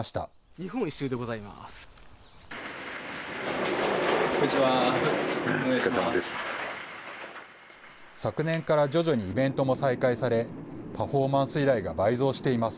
日本一周でございます。